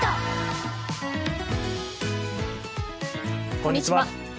こんにちは。